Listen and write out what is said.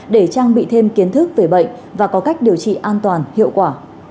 để trang bị thêm kiến thức về bệnh và có cách điều trị an toàn hiệu quả